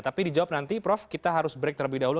tapi dijawab nanti prof kita harus break terlebih dahulu